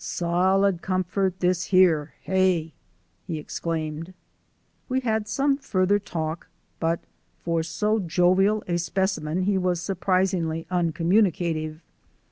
"Solid comfort this here hey!" he exclaimed. We had some further talk, but for so jovial a specimen he was surprisingly uncommunicative.